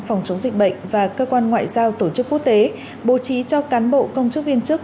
phòng chống dịch bệnh và cơ quan ngoại giao tổ chức quốc tế bố trí cho cán bộ công chức viên chức